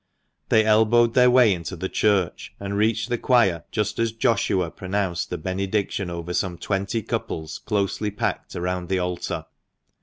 They elbowed their way into the church, and reached the choir just as Joshua pronounced the benediction over some twenty couples closely packed around the altar.